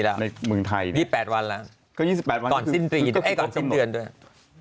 มันไม่มีแล้วมี๘วันแล้วก่อนสิ้นปรีนให้ก่อนสิ้นเดือนด้วยต้องการให้ไปด้วย